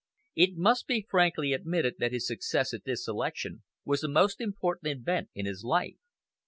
It must be frankly admitted that his success at this election was a most important event in his life.